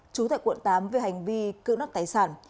chú tại quận tám về hành vi cướp đất tài sản